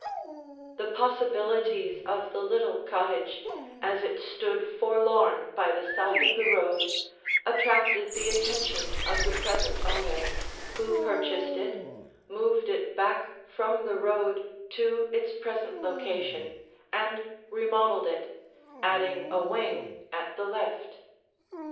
[Illustration: The Angle of the Ell] The possibilities of the little cottage, as it stood forlorn by the side of the road, attracted the attention of the present owner, who purchased it, moved it back from the road to its present location, and remodeled it, adding a wing at the left.